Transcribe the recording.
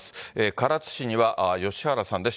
唐津市には吉原さんです。